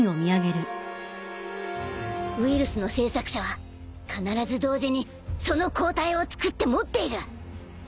ウイルスの製作者は必ず同時にその抗体を作って持っている。